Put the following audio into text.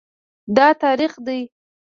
دا تریخ دی